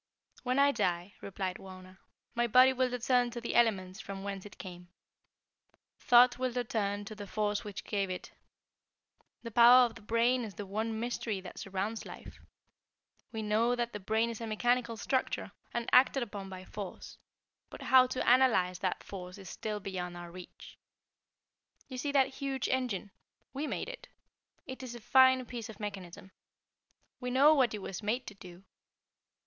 "When I die," replied Wauna, "my body will return to the elements from whence it came. Thought will return to the force which gave it. The power of the brain is the one mystery that surrounds life. We know that the brain is a mechanical structure and acted upon by force; but how to analyze that force is still beyond our reach. You see that huge engine? We made it. It is a fine piece of mechanism. We know what it was made to do.